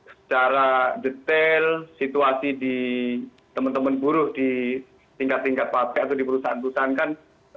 secara detail situasi di teman teman buruh di tingkat tingkat partai atau di perusahaan perusahaan kan